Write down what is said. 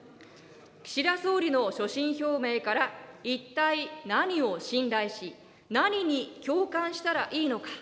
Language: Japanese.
岸田総理の所信表明から、一体何を信頼し、何に共感したらいいのか。